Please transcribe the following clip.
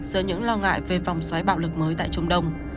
do những lo ngại về vòng xoáy bạo lực mới tại trung đông